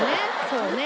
そうね。